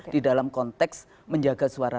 di dalam konteks menjaga suara